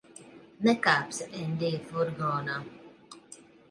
Nekāpsi Endija furgonā.